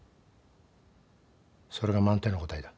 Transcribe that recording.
それが満点の答えだ。